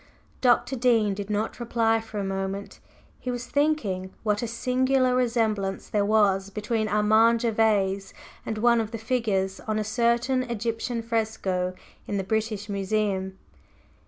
Dr. Dean did not reply for a moment; he was thinking what a singular resemblance there was between Armand Gervase and one of the figures on a certain Egyptian fresco in the British Museum.